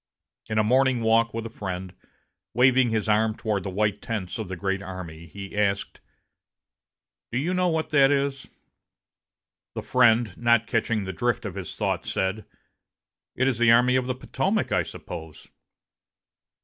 In a morning walk with a friend, waving his arm toward the white tents of the great army, he asked: "Do you know what that is?" The friend, not catching the drift of his thought, said, "It is the Army of the Potomac, I suppose."